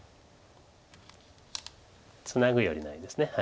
ツナぐよりないです。